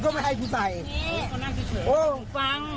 ชักมาเถอะเดี๋ยวก็ใส่ให้